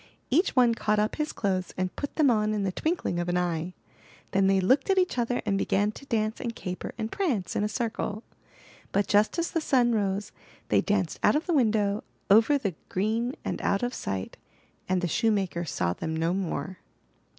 Each one caught up his clothes and put them on in the twinkling of an eye. Then they looked at each other and began to dance and caper and prance in a circle! But just as the sun rose, they danced out of the window, over the green and out of sight; and the shoemaker saw them no more.